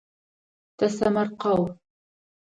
Тэсэмэркъэу.